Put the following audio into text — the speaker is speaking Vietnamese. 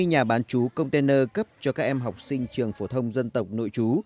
hai mươi nhà bán chú container cấp cho các em học sinh trường phổ thông dân tộc nội chú